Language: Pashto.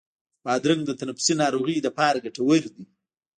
بادرنګ د تنفسي ناروغیو لپاره ګټور دی.